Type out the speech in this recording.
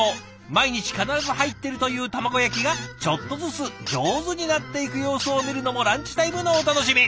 毎日必ず入ってるという卵焼きがちょっとずつ上手になっていく様子を見るのもランチタイムのお楽しみ。